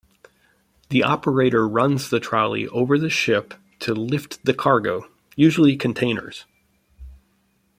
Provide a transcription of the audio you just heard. The operator runs the trolley over the ship to lift the cargo, usually containers.